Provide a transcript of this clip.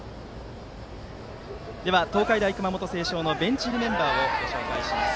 東海大熊本星翔のベンチ入りメンバーを紹介します。